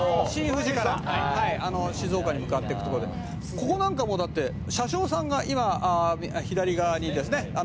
「ここなんかもだって車掌さんが“今左側にですね